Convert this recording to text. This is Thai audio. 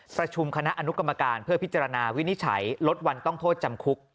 ประชุมคณะอนุกรรมการเพื่อพิจารณาวินิจฉัยลดวันต้องโทษจำคุก